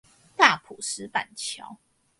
大埔石板橋